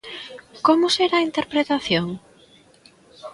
Como será a interpretación?